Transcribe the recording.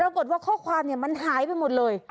ปรากฏว่าข้อความมันหายไปหมดเลย